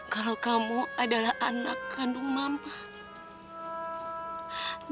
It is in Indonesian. kalau kamu adalah anak kandung mama